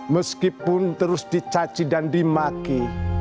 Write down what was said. meskipun terus dicaci dan dimaki